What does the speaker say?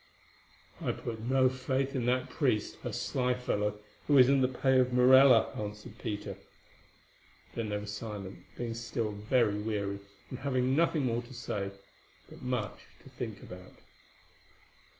"I put no faith in that priest, a sly fellow who is in the pay of Morella," answered Peter. Then they were silent, being still very weary, and having nothing more to say, but much to think about.